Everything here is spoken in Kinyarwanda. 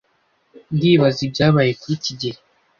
Ndibaza ibyabaye kuri kigeli.